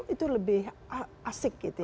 itu lebih asik gitu